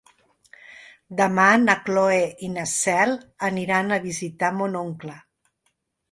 Demà na Cloè i na Cel aniran a visitar mon oncle.